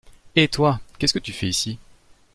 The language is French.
Hé toi, qu'est-ce que tu fais ici?